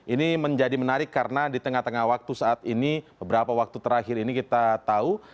ini menjadi menarik karena di tengah tengah waktu saat ini beberapa waktu terakhir ini kita tahu